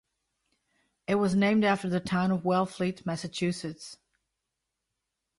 It was named after the town of Wellfleet, Massachusetts.